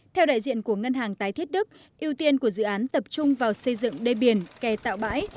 theo đại diện của ngân hàng tái thiết đức ưu tiên của dự án tập trung vào xây dựng đê biển kè tạo bãi